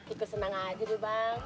ikut senang aja di bang